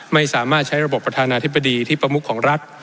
ไม่สามารถใช้ระบบประธานาธิบดีที่ประมุขของรัฐ